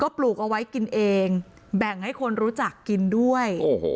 ปลูกเอาไว้กินเองแบ่งให้คนรู้จักกินด้วยโอ้โห